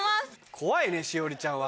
怖いね栞里ちゃんは。